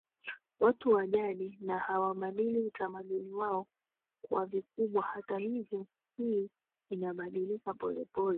watu wa jadi na hawabadili utamaduni wao kwa vikubwa Hata hivyo hii inabadilika polepole